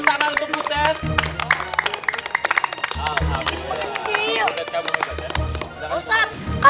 jangan lupa pak ustadz